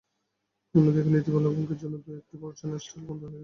অন্যদিকে নীতিমালা ভঙ্গের জন্য দু-একটি প্রকাশনার স্টলও বন্ধ করে দেওয়া হয়।